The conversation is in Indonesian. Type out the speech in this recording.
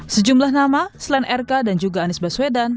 sejumlah nama selain rk dan juga anies baswedan